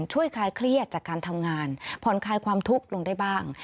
คลายเครียดจากการทำงานผ่อนคลายความทุกข์ลงได้บ้าง